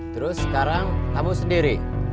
terus sekarang kamu sendiri